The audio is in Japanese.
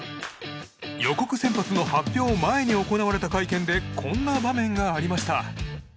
予告先発の発表前に行われた会見でこんな場面がありました。